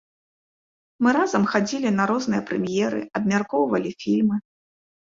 Мы разам хадзілі на розныя прэм'еры, абмяркоўвалі фільмы.